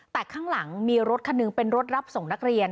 แต่ข้างหลังมีรถคันหนึ่งเป็นรถรับส่งนักเรียน